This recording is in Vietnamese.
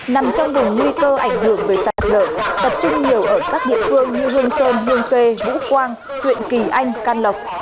nằm trong vùng nguy cơ ảnh hưởng về sạt lở tập trung nhiều ở các địa phương như hương sơn hương khê vũ quang huyện kỳ anh can lộc